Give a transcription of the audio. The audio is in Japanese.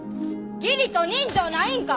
義理と人情ないんか！